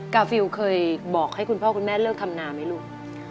กาฟิลเคยบอกให้คุณพ่อคุณแม่เลิกทำนาไหมลูก